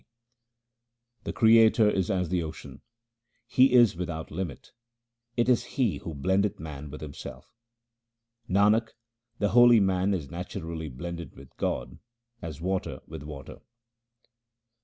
342 THE SIKH RELIGION The Creator is as the ocean ; He is without limit ; it is He who blendeth man with Himself. Nanak, the holy man is naturally blended with God as water with water.